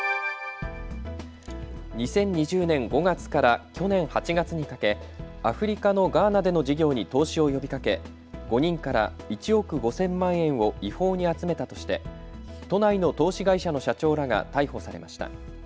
２０２０年５月から去年８月にかけアフリカのガーナでの事業に投資を呼びかけ５人から１億５０００万円を違法に集めたとして都内の投資会社の社長らが逮捕されました。